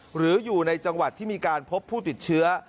หรืออยู่ในจังหวัดที่มีการพบผู้ติดเชื้อ